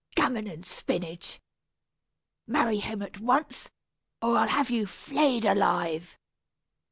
Gammon and spinach! Marry him at once, or I'll have you flayed alive!